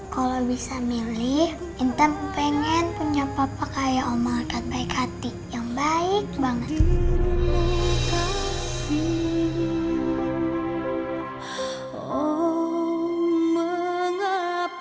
kalau bisa milih intan pengen punya papa kayak omanget baik hati yang baik banget